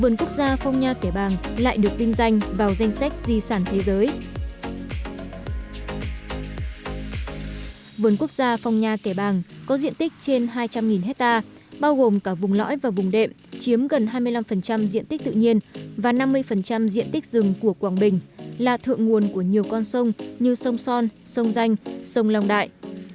vườn quốc gia phong nha kẻ bàng có diện tích trên hai trăm linh hectare bao gồm cả vùng lõi và vùng đệm chiếm gần hai mươi năm diện tích rừng của quảng bình là thượng nguồn của nhiều con sông son sông long đại